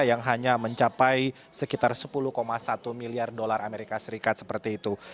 yang hanya mencapai sekitar sepuluh satu miliar dolar amerika serikat seperti itu